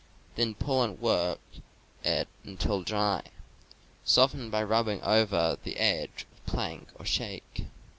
Then pull and work it until dry. Soften by rubbing over the edge of a plank or shake.